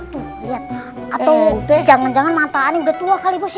tuh liat atau jangan jangan mata ane udah tua kali bos sih